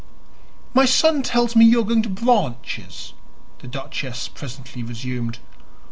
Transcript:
"My son tells me you are going to Branches," the duchess presently resumed.